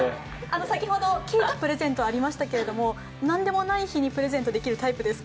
先ほど、プレゼントありましたけど、何でもない日にプレゼントできるタイプですか？